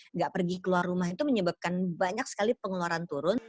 nggak pergi keluar rumah itu menyebabkan banyak sekali pengeluaran turun